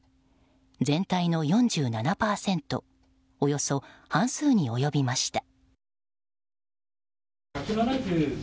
全体の４７％およそ半数に及びました。